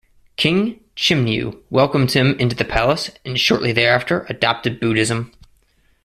King Chimnyu welcomed him into the palace, and shortly thereafter adopted Buddhism.